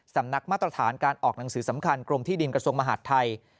มาตรฐานการออกหนังสือสำคัญกรมที่ดินกระทรวงมหาดไทย